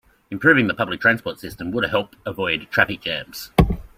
Improving the public transport system would help avoid traffic jams.